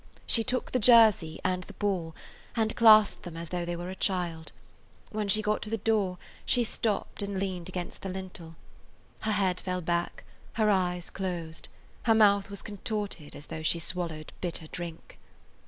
She took the jersey and the ball, and clasped them as though they were a child. When she got to the door she stopped and leaned against the lintel. Her head fell back; her eyes closed; her mouth was contorted as though she swallowed bitter drink.